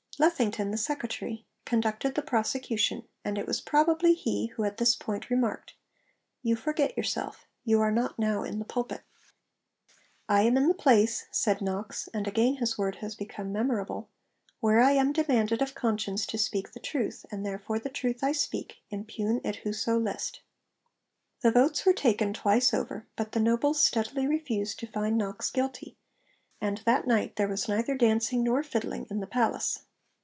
Lethington, the Secretary, conducted the prosecution, and it was probably he who at this point remarked 'You forget yourself: you are not now in the pulpit.' 'I am in the place,' said Knox and again his word has become memorable 'where I am demanded of conscience to speak the truth, and therefore the truth I speak, impugn it whoso list.' The votes were taken twice over; but the nobles steadily refused to find Knox guilty, and 'that night there was neither dancing nor fiddling in the palace.'